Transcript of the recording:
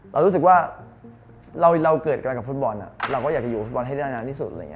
เรารู้สึกว่าเราเกิดกันกับฟุตบอลเราก็อยากจะอยู่กับฟุตบอลให้ได้นานที่สุด